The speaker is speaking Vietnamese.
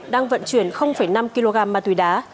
đang vận chuyển năm kg ma túy đá